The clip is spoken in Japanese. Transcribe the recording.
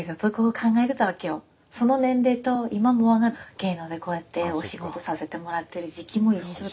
その年齢と今もあが芸能でこうやってお仕事させてもらってる時期も一緒で。